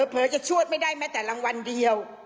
เผลอจะชวดไม่ได้แม้แต่รางวัลเดียว